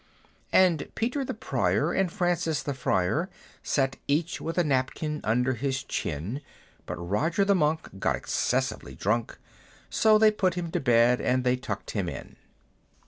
And Peter the Prior, and Francis the Friar, Sat each with a napkin under his chin; But Roger the Monk got excessively drunk, So they put him to bed, and they tucked him in!